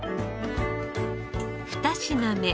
２品目。